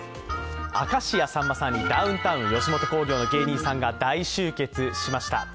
明石家さんまにダウンタウン吉本興業の芸人さんが大集結しました。